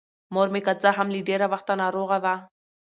مـور مـې کـه څـه هـم له ډېـره وخـته نـاروغـه وه.